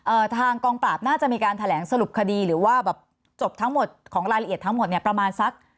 ทางกองปราบน่าจะมีการแถลงสรุปคดีหรือว่าแบบจบทั้งหมดของรายละเอียดทั้งหมดเนี่ยประมาณสัก